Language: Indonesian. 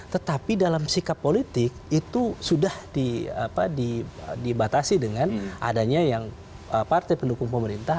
tetapi dalam sikap politik itu sudah dibatasi dengan adanya yang partai pendukung pemerintah